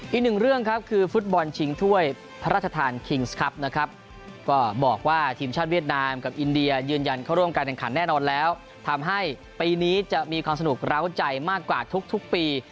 อีกหนึ่งเรื่องครับคือฟุตบอลชิงถ้วยพระราชทานคิงส์ครับนะครับก็บอกว่าทีมชาติเวียดนามกับอินเดียยืนยันเข้าร่วมการแข่งขันแน่นอนแล้วทำให้ปีนี้จะมีความสนุกร้าวใจมากกว่าทุกปี